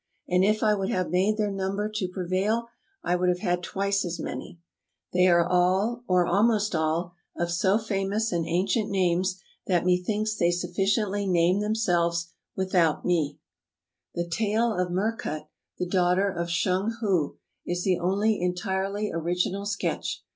And if I would have made their number to prevail I would have had twice as many. They are all, or almost all, of so famous and ancient names that methinks they sufficiently name themselves without me." Preface vii The "Tale" of Merkut, the daughter of Shung hu, is the only entirely original sketch.